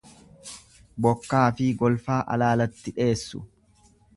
Bokkaafi golfaa alaalatti dheessu.